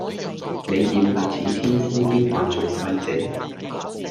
你艷麗似天仙應份做世姐